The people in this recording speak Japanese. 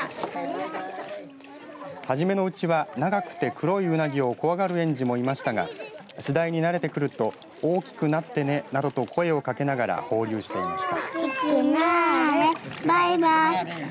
初めのうちは長くて黒いウナギを怖がる園児もいましたが次第に慣れてくると大きくなってねなどと声をかけながら放流していました。